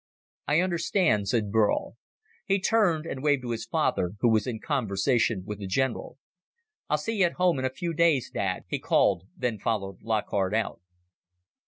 "I understand," said Burl. He turned and waved to his father, who was in conversation with the general. "I'll see you at home in a few days, Dad," he called, then followed Lockhart out.